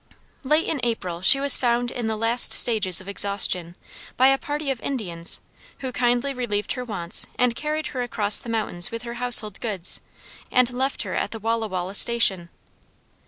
Late in April, she was found in the last stages of exhaustion, by a party of Indians, who kindly relieved her wants and carried her across the mountains with her household goods, and left her at the Walla Walla station.